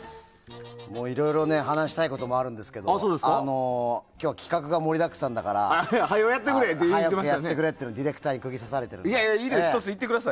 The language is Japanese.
いろいろ話したいことがあるんですけども今日、企画が盛りだくさんだから早くやってくれっていやいや、１つ言ってください。